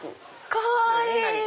かわいい！